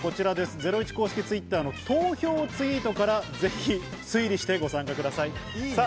ゼロイチ公式Ｔｗｉｔｔｅｒの投票ツイートから推理してご参加ください。